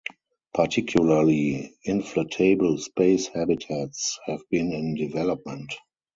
Particularly inflatable space habitats have been in development.